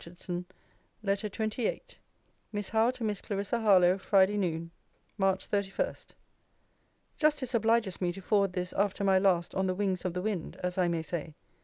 CL. HARLOWE. LETTER XXVIII MISS HOWE, TO MISS CLARISSA HARLOWE. FRIDAY NOON, MARCH 31. Justice obliges me to forward this after my last on the wings of the wind, as I may say.